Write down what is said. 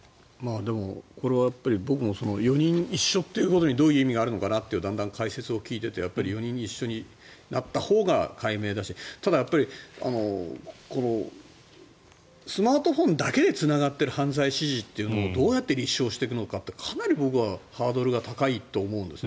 でも、これは僕も４人一緒ということにどういう意味があるのかなというのをだんだん解説を聞いていて４人一緒になったほうが解明できるしただ、スマートフォンだけでつながっている犯罪指示というのをどうやって立証していくのかかなり僕はハードルが高いと思うんですね。